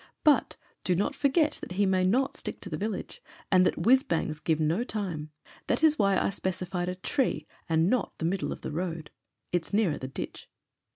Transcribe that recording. Su^— do not forget that he may not stick to the village, and that whizz bangs give no time. That is why I specified a tree, and not the middle of the road. It's nearer the ditch.